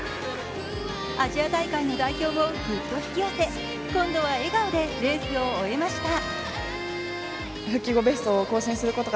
アジア大会の代表をグッと引き寄せ今度は笑顔でレースを終えました。